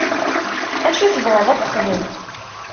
Acu tebɣiḍ ad t-texdem?